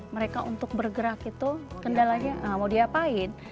mereka untuk bergerak itu kendalanya mau diapain